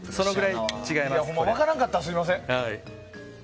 分からなかったらすみません。